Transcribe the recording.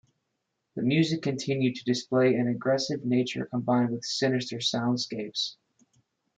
The music continued to display an aggressive nature combined with sinister soundscapes.